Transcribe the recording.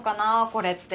これって。